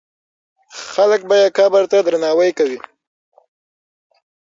خلک به یې قبر ته درناوی کوي.